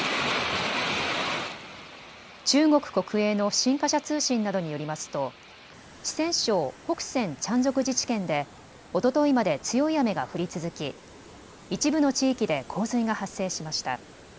中国国営の新華社通信などによりますと四川省北川チャン族自治県でおとといまで強い雨が降り続き一部の地域で洪水が発生しました。